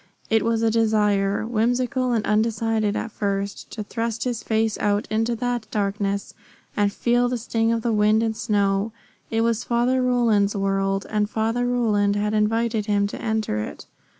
It was a desire, whimsical and undecided at first, to thrust his face out into that darkness and feel the sting of the wind and snow. It was Father Roland's world. And Father Roland had invited him to enter it.